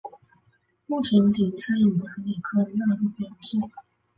目前仅餐饮管理科纳入编列。